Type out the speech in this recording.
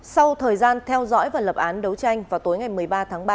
sau thời gian theo dõi và lập án đấu tranh vào tối ngày một mươi ba tháng ba